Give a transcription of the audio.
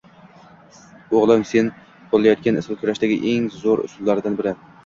Oʻgʻlim, sen qoʻllayotgan usul kurashdagi eng zoʻr usullardan biri